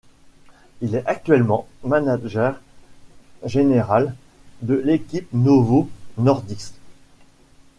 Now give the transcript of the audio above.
Il est actuellement manager général de l'équipe Novo Nordisk.